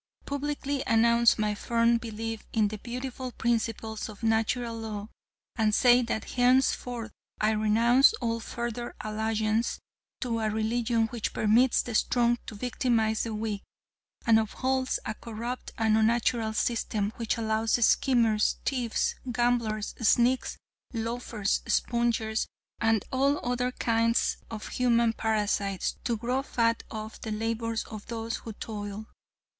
Publicly announce my firm belief in the beautiful principles of Natural Law, and say that henceforth I renounce all further allegiance to a religion which permits the strong to victimize the weak, and upholds a corrupt and unnatural system, which allows schemers, thieves, gamblers, sneaks, loafers, spongers, and all other kinds of human parasites to grow fat off the labors of those who toil.